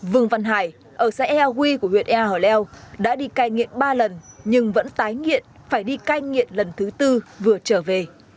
vương văn hải ở xã ea huy của huyện ea hở leo đã đi cai nghiện ba lần nhưng vẫn tái nghiện phải đi cai nghiện lần thứ tư vừa trở về